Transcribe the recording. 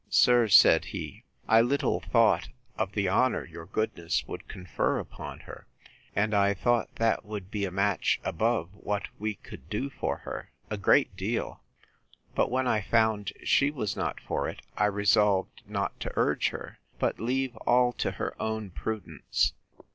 Sir, said he, I little thought of the honour your goodness would confer upon her; and I thought that would be a match above what we could do for her, a great deal. But when I found she was not for it, I resolved not to urge her; but leave all to her own prudence.